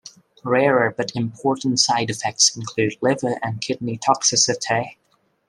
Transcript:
Rarer but important side effects include liver and kidney toxicity.